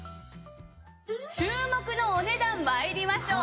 注目のお値段参りましょう！